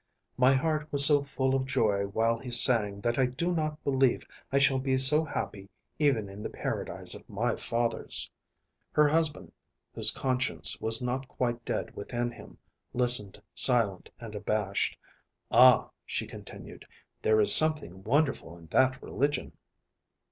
My heart was so full of joy while he sang that I do not believe I shall be so happy even in the paradise of my fathers." Her husband, whose conscience was not quite dead within him, listened silent and abashed. "Ah," she continued, "there is something wonderful in that religion!"